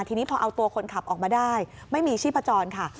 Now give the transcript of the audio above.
ทีนี้พอเอาตัวคนขับออกมาได้ไม่มีชีพจรค่ะ